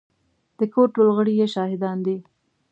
د کور ټول غړي يې شاهدان دي.